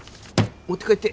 持って帰って。